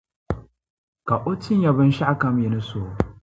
Ka o tin ya binshɛɣu kam yi ni suhi O.